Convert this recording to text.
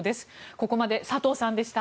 ここまで佐藤さんでした。